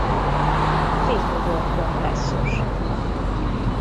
Finnugor Kongresszus.